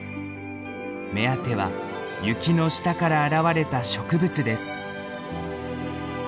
目当ては雪の下から現れた植物です。